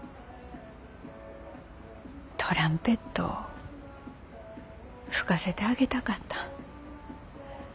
トランペットを吹かせてあげたかった。